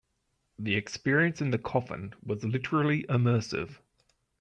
The experience in the coffin was literally immersive.